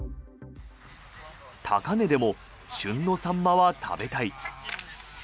高値でも旬のサンマは食べたい。